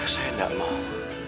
saya enggak mau